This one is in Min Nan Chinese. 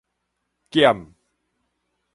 減